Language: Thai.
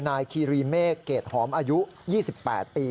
คีรีเมฆเกรดหอมอายุ๒๘ปี